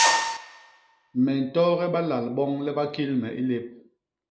Me ntooge balal boñ le ba kil me i lép.